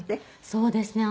そうですね。